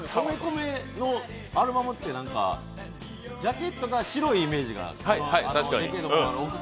米米のアルバムって、なんか、ジャケットが白いイメージが。